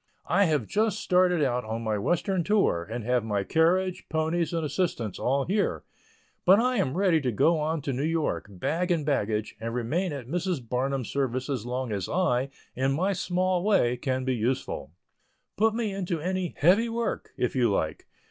I have just started out on my western tour, and have my carriage, ponies and assistants all here, but I am ready to go on to New York, bag and baggage, and remain at Mrs. Barnum's service as long as I, in my small way, can be useful. Put me into any "heavy" work, if you like.